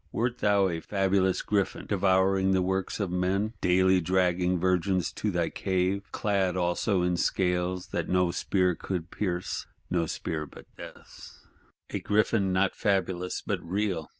Wert thou a fabulous Griffin, devouring the works of men; daily dragging virgins to thy cave;—clad also in scales that no spear would pierce: no spear but Death's? A Griffin not fabulous but real!